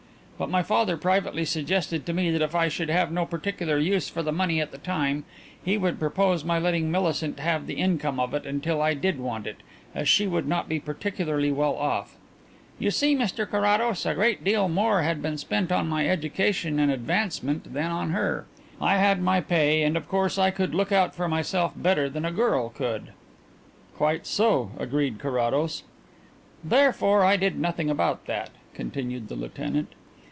But my father privately suggested to me that if I should have no particular use for the money at the time, he would propose my letting Millicent have the income of it until I did want it, as she would not be particularly well off. You see, Mr Carrados, a great deal more had been spent on my education and advancement than on her; I had my pay, and, of course, I could look out for myself better than a girl could." "Quite so," agreed Carrados. "Therefore I did nothing about that," continued the lieutenant.